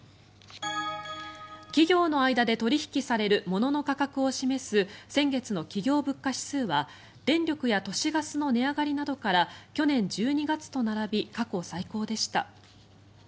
企業の間で取引されるものの価格を示す先月の企業物価指数は電力や都市ガスなどの値上がりから去年１２月と並び過去最高でした。